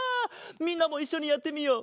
みんなもいっしょにやってみよう。